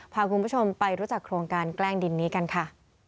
พาคุณผู้ชมไปรู้จักโครงการแกล้งดินนี้กันค่ะ